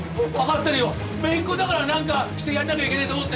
姪っこだから何かしてやんなきゃいけねえと思って。